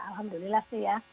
alhamdulillah sih ya